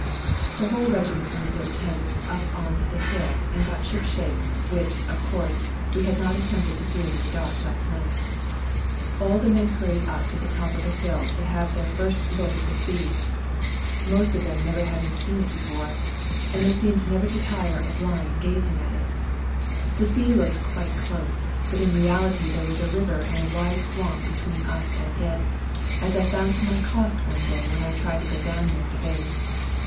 The whole regiment moved their tents up on to the hill and got ship shape, which, of com'se, we had not attempted to do in the dark last night. All the men hurried up to the top of the hill to have their 170 SERBIAN CHRISTMAS DAY 171 first look at the sea, most of them never having seen it before, and they seemed never tired of lying gazing at it. The sea looked quite close, but in reality there was a river and a wide swamp between us and it, as I found to my cost one day when I tried to go down there to bathe.